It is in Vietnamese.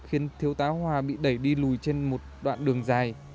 khiến thiếu tá hòa bị đẩy đi lùi trên một đoạn đường dài